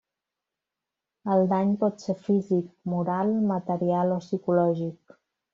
El dany pot ser físic, moral, material o psicològic.